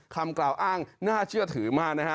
คำกล่าวอ้างน่าเชื่อถือมากนะฮะ